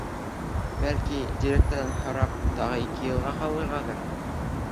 Бәлки, директорҙан һорап, тағы ике йылға ҡалырғалыр?